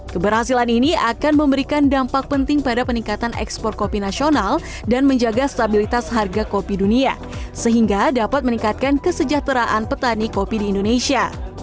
keberhasilan ini akan memberikan dampak penting pada peningkatan ekspor kopi nasional dan menjaga stabilitas harga kopi dunia sehingga dapat meningkatkan kesejahteraan petani kopi di indonesia